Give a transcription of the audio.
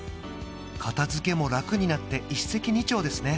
片づけも楽になって一石二鳥ですね！